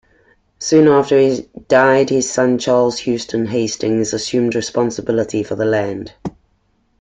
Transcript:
Soon after he died, his son, Charles Houston Hastings, assumed responsibility for the land.